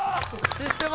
システマ！